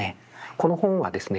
この本はですね